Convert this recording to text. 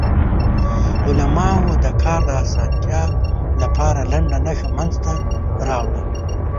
علماوو د کار د اسانتیا لپاره لنډه نښه منځ ته راوړه.